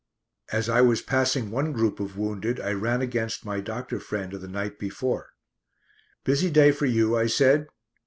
As I was passing one group of wounded, I ran against my doctor friend of the night before. "Busy day for you?" I said.